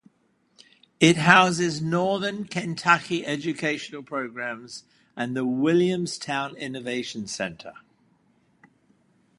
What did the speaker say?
It houses Northern Kentucky educational programs and the Williamstown Innovation Center.